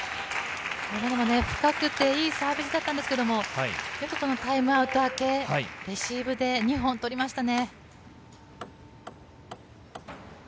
深くていいサービスだったんですけどタイムアウト明けレシーブで２本取りましたね。